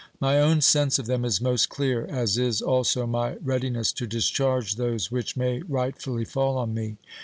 My own sense of them is most clear, as is also my readiness to discharge those which may rightfully fall on me.